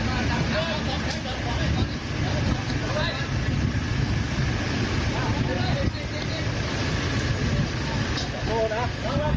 อันดับสุดท้ายก็คืออันดับสุดท้ายก็คืออันดับสุดท้าย